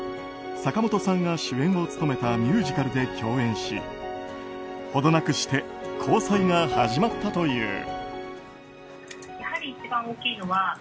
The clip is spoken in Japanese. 坂本さんが主演を務めたミュージカルで共演し程なくして交際が始まったという。